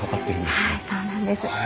はいそうなんです。